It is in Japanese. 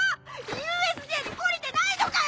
ＵＳＪで懲りてないのかよ